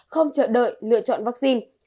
không chờ đợi lựa chọn vaccine